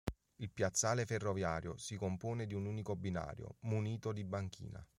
Il piazzale ferroviario si compone di un unico binario, munito di banchina.